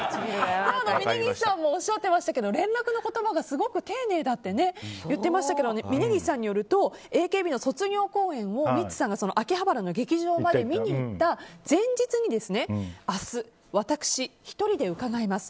峯岸さんもおっしゃってましたけど連絡の言葉がとても丁寧だと言っていましたが峯岸さんによるとＡＫＢの卒業公演のミッツさんが秋葉原の劇場まで見に行った前日に明日、私、１人で伺います。